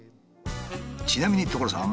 ちなみに所さん。